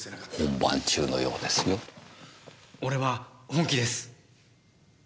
本番中のようですよ。俺は本気です。